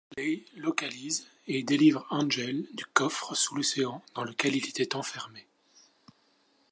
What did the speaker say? Wesley localise et délivre Angel du coffre sous l'océan dans lequel il était enfermé.